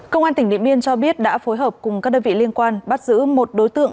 công an tỉnh điện biên cho biết đã phối hợp cùng các đơn vị liên quan bắt giữ một đối tượng